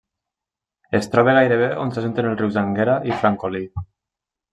Es troba gairebé on s'ajunten els rius Anguera i Francolí.